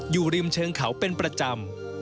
อยู่ริมเชิงเขาเป็นประจำ